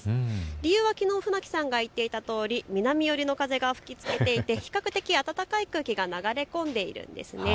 理由はきのう船木さんが言っていたとおり、南寄りの風が吹きつけていて比較的暖かい空気が流れ込んでいるんです。